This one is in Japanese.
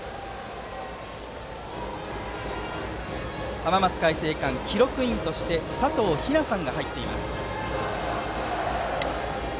浜松開誠館は記録員として佐藤日南さんが入っています。